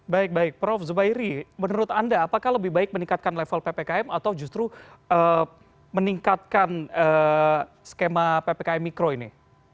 baik baik prof zubairi menurut anda apakah lebih baik meningkatkan level ppkm atau justru meningkatkan skema ppkm mikro ini